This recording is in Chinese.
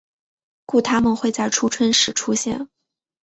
故它们会在初春时出现。